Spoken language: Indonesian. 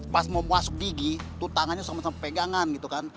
pas mau masuk gigi itu tangannya sama sama pegangan gitu kan